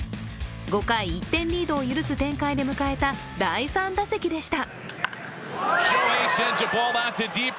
５回、１点リードを許す展開で迎えた第３打席でした。